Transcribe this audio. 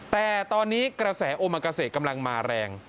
แต่ตอนนี้กระแสโอมากาเซกำลังมาแรง